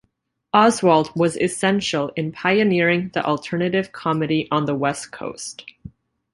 Oswalt was essential in pioneering the alternative comedy on the West Coast.